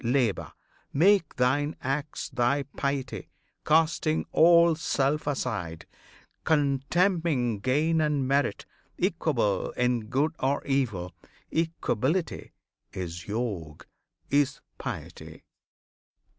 Labour! Make thine acts Thy piety, casting all self aside, Contemning gain and merit; equable In good or evil: equability Is Yog, is piety!